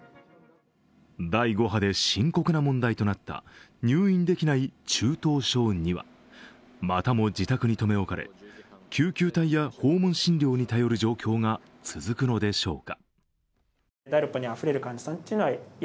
第５波で深刻な問題となった入院できない中等症Ⅱはまたも自宅に留め置かれ、救急隊や訪問診療に頼る状況が続くのでしょうか。